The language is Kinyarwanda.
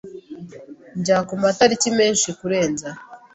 Njya kumatariki menshi kurenza .